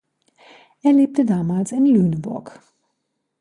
Er lebte damals in Lüneburg.